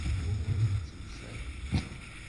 Wuɣur ay yettemcabi?